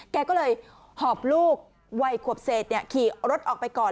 แกก็เลยหอบลูกวัยขวบเศษขี่รถออกไปก่อน